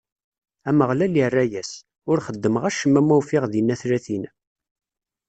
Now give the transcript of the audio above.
Ameɣlal irra-as: Ur xeddmeɣ acemma ma ufiɣ dinna tlatin.